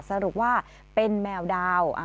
สรุปว่าเป็นแมวดาว